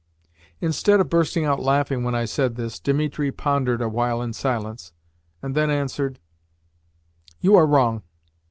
Instead of bursting out laughing when I said this, Dimitri pondered awhile in silence, and then answered: "You are wrong.